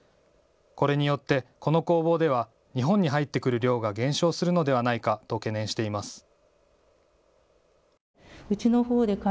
これによってこの工房では日本に入ってくる量が減少するのではないかと懸念しています。